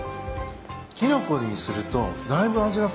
きな粉にするとだいぶ味が変わりますね。